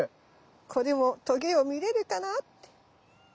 これもトゲを見れるかな？